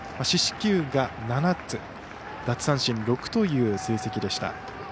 四死球が７つ、奪三振６という成績でした。